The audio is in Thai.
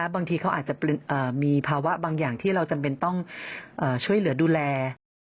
บางทีเขาอาจจะมีภาวะบางอย่างที่เราจำเป็นต้องช่วยเหลือดูแล